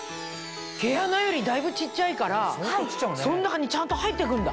毛穴よりだいぶ小っちゃいからその中にちゃんと入って行くんだ？